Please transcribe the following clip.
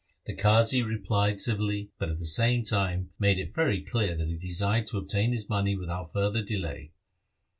The Qazi replied civilly, but at the same time made it very clear that he desired to obtain his money without further delay.